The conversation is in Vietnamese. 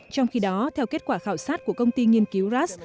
trong khi đó theo kết quả khảo sát của công ty nghiên cứu rass